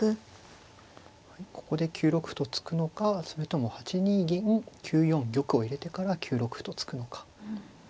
ここで９六歩と突くのかそれとも８二銀９四玉を入れてから９六歩と突くのか。